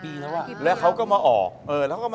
อุ๊ยก่อนอันนี้ก่อนอันนี้ก่อนเลยอะ